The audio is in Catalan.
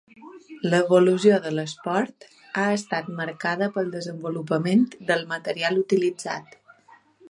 L’evolució de l’esport ha estat marcada pel desenvolupament del material utilitzat.